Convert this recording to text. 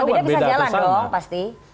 logikanya begitu mas